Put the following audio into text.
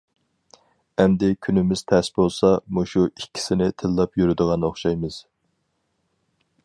ئەمدى كۈنىمىز تەس بولسا، مۇشۇ ئىككىسىنى تىللاپ يۈرىدىغان ئوخشايمىز.